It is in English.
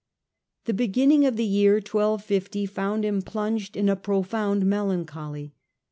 The beginning of the year 1250 found him plunged in a profound melancholy.